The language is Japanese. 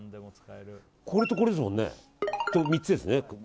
これとこれと３つですね。